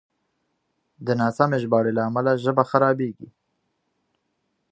د ناسمې ژباړې له امله ژبه خرابېږي.